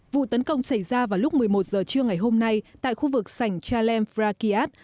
vụ tấn công xảy ra vào lúc một mươi một giờ trưa ngày hôm nay tại khu vực sảnh chalem phra kiat